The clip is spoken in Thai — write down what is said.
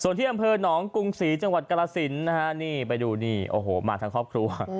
ส่วนที่อำเภอหนองกรุงศรีจังหวัดกรสินนะฮะนี่ไปดูนี่โอ้โหมาทั้งครอบครัว